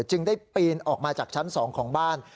จึงได้ปีนออกมาจากชั้น๒ของบ้าน